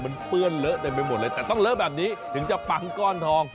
มันเปื้อนเลอะเต็มไปหมดเลยแต่ต้องเลอะแบบนี้ถึงจะปังก้อนทอง